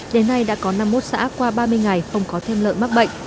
đến nay đã có năm mươi một xã qua ba mươi ngày không có thêm lợn mắc bệnh